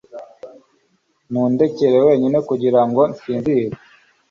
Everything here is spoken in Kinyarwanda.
nundekere wenyine kugirango nsinzire